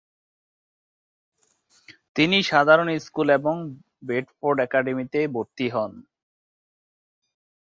তিনি সাধারণ স্কুল এবং বেডফোর্ড একাডেমীতে ভর্তি হন।